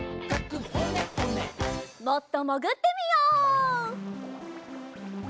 もっともぐってみよう。